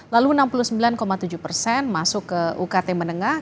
lalu enam puluh sembilan tujuh persen masuk ke ukt menengah